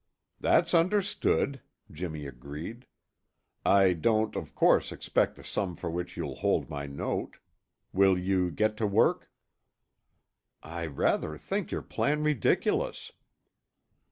"That's understood," Jimmy agreed. "I don't, of course, expect the sum for which you'll hold my note. Will you get to work?" "I rather think your plan ridiculous."